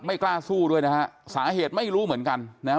ไม่กล้าสู้ด้วยนะฮะสาเหตุไม่รู้เหมือนกันนะฮะ